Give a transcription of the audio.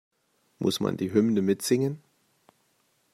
Muss man die Hymne mitsingen?